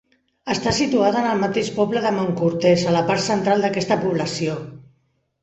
Està situada en el mateix poble de Montcortès, a la part central d'aquesta població.